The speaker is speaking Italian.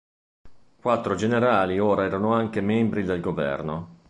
Quattro generali ora erano anche membri del governo.